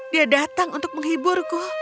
dia datang untuk menghiburku